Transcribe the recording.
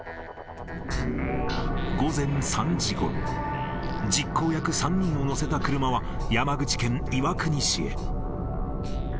午前３時ごろ、実行役３人を乗せた車は山口県岩国市へ。